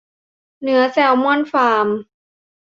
เนื้อแซลมอนฟาร์ม